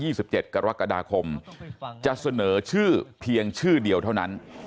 สิบเจ็ดกรกฎาคมจะเสนอชื่อเพียงชื่อเดียวเท่านั้น